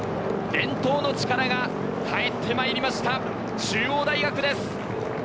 伝統の力が帰ってまいりました、中央大学です。